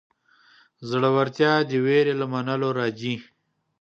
زړورتیا د وېرې له منلو راځي.